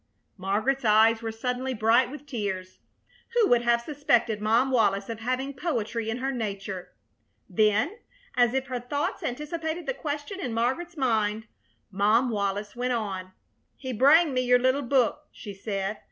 Margaret's eyes were suddenly bright with tears. Who would have suspected Mom Wallis of having poetry in her nature? Then, as if her thoughts anticipated the question in Margaret's mind, Mom Wallis went on: "He brang me your little book," she said.